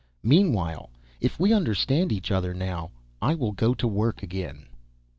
Meanwhile, if we understand each other now, I will go to work again."